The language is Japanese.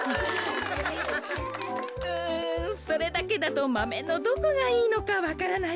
うんそれだけだとマメのどこがいいのかわからないけど。